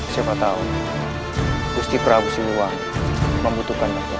siapa tau gusti prabu siluang membutuhkan dapet